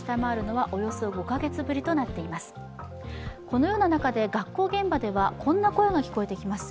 このような中で学校現場では、こんな声が聞こえてきます。